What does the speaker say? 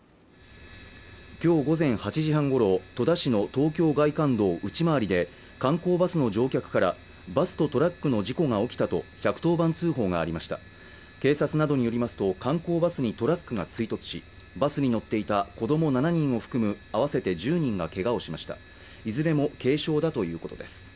今日午前８時半ごろ戸田市の東京外環道内回りで観光バスの乗客からバスとトラックの事故が起きたと１１０番通報がありました警察などによりますと観光バスにトラックが追突しバスに乗っていた子ども７人を含む合わせて１０人がけがをしましたいずれも軽傷だということです